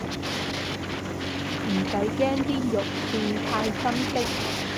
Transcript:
唔使驚啲肉變太深色